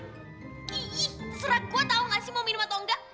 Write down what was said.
terserah gue tau gak sih mau minum atau enggak